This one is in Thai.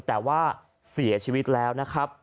แต่ว่าเสียชีวิตแล้วนะครับ